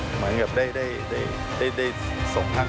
เหมือนกับได้สมท่านไปด้วย